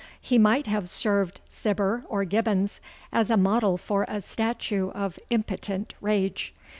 He might have served Cibber or Gibbons as a model for a statue of impotent rage.